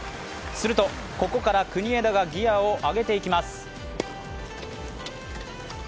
すると、ここから国枝がギヤを上げていきます。